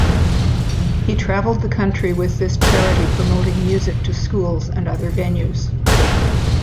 He travelled the country with this charity promoting music to schools and other venues.